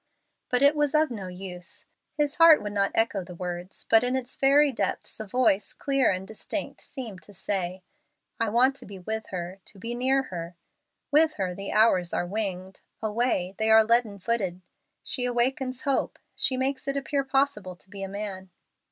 But it was of no use. His heart would not echo the words, but in its very depths a voice clear and distinct seemed to say, "I want to be with her to be near her. With her, the hours are winged; away, they are leaden footed. She awakens hope, she makes it appear possible to be a man."